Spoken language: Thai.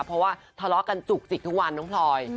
เพราะว่าทะเลาะกันจุกจิกทุกวันน้องพลอย